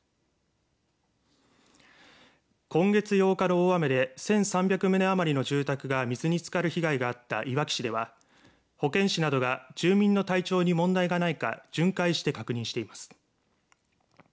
今月８日の大雨で１３００棟余りの住宅が水につかる被害があったいわき市では保健師などが住民の体調に問題がないか巡回して確認しています。